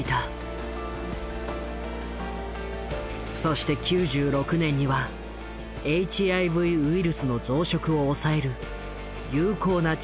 そして９６年にはＨＩＶウイルスの増殖を抑える有効な治療法が確立。